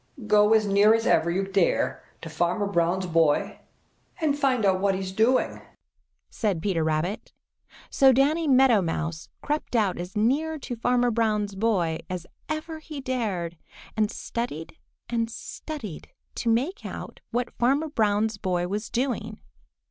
Go as near as ever you dare to Farmer Brown's boy and find out what he is doing," said Peter Rabbit. So Danny Meadow Mouse crept out as near to Farmer Brown's boy as ever he dared and studied and studied to make out what Farmer Brown's boy was doing.